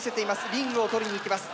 リングを取りに行きます。